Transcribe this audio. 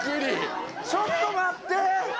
ちょっと待って！